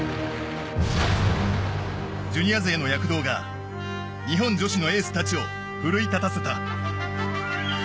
ジュニア勢の躍動が日本女子のエースたちを奮い立たせた。